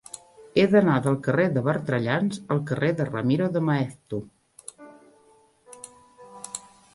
He d'anar del carrer de Bertrellans al carrer de Ramiro de Maeztu.